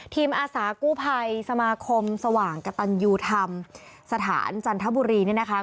อาสากู้ภัยสมาคมสว่างกระตันยูธรรมสถานจันทบุรีเนี่ยนะคะ